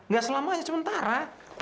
gak selama aja sementara